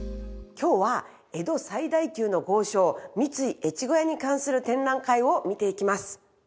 今日は江戸最大級の豪商三井越後屋に関する展覧会を見ていきます。